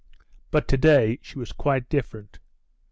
But to day she was quite different.